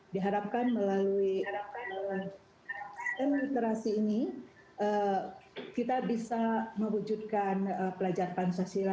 diharapkan melalui sistem literasi ini kita bisa mewujudkan pelajar pancasila